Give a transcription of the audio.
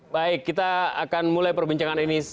baik kita akan mulai perbincangan ini